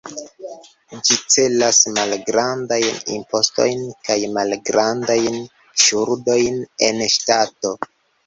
Ĝi celas malgrandajn impostojn kaj malgrandajn ŝuldojn en ŝtato.